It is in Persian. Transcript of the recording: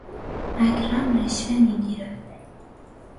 اکرم رشوه میگیرد.